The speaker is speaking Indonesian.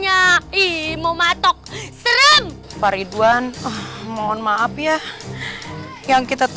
aku akan menganggap